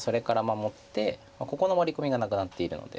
ここのワリコミがなくなっているので。